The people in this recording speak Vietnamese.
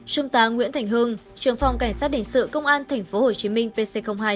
trung tá nguyễn thành hưng trưởng phòng cảnh sát đình sự công an tp hcm pc hai cho hay